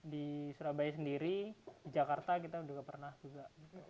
di surabaya sendiri di jakarta kita juga pernah juga